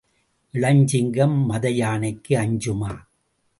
இளஞ்சிங்கம் மதயானைக்கு அஞ்சுமா?